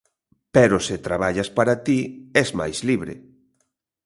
Pero se traballas para ti, es máis libre.